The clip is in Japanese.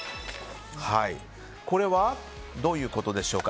これはどういうことでしょうか。